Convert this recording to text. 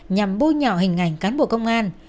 nhằm bôi nhỏ hình ảnh cán bộ công an